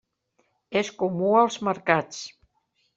És comú als mercats.